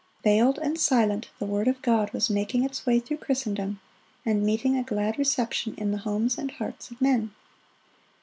Veiled and silent, the word of God was making its way through Christendom, and meeting a glad reception in the homes and hearts of men.